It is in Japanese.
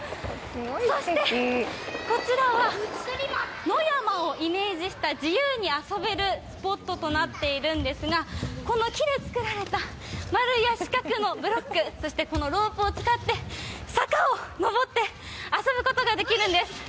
そして、こちらは野山をイメージした自由に遊べるスポットとなっているんですが、この木で作られた丸や四角のブロック、そしてこのロープを使って坂を登って遊ぶことができるんです。